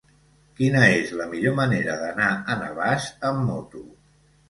Quina és la millor manera d'anar a Navàs amb moto?